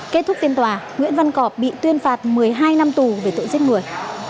kết thúc phiên tòa nguyễn văn cọp bị tuyên phạt một mươi hai năm tù về tội giết người